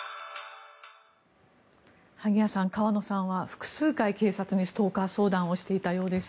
萩谷さん川野さんは複数回、警察にストーカー相談をしていたようです。